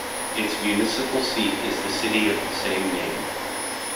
Its municipal seat is the city of the same name.